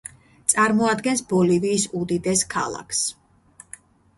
წარმოადგენს ბოლივიის უდიდეს ქალაქს.